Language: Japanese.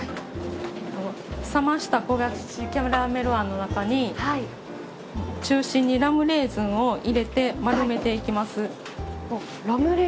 冷ました焦がしキャラメル餡の中に中心にラムレーズンを入れて丸めていきます。